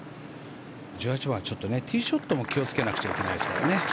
１８番はティーショットも気をつけなきゃいけないですからね。